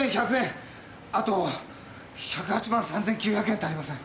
あと１０８万３，９００円足りません。